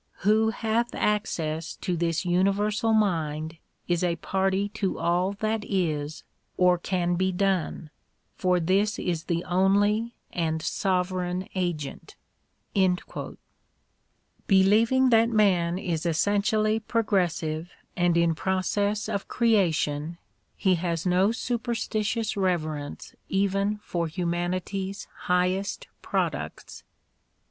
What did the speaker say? Who hath access to this universal mind is a party to all that is or can be done, for this is the only and sovereign agent. i6o EMERSON'S WRITINGS Believing that man is essentially progressive and in process of creation, he has no superstitious reverence even for humanity's highest products.